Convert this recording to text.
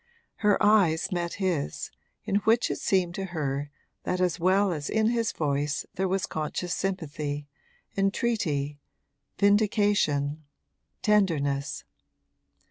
Her eyes met his, in which it seemed to her that as well as in his voice there was conscious sympathy, entreaty, vindication, tenderness.